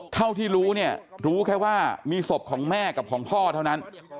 เท่าที่รู้เนี่ยรู้แค่ว่ามีศพของแม่กับของพ่อเท่านั้น